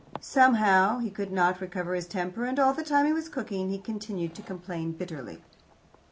Somehow he could not recover his temper, and all the time he was cooking he continued to complain bitterly.